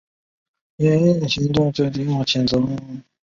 永安博特溪蟹为溪蟹科博特溪蟹属的动物。